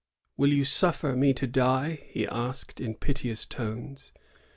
Will you suffer me to die ?'* he asked, in piteous tones.